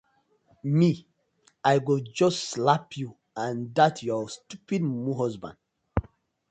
Mi I go just slap yu and dat yur stupid mumu husband.